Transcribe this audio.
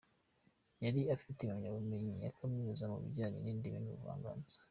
Yari afite impamyabumenyi ya kaminuza mu bijyanye n’indimi n’ubuvanganzo.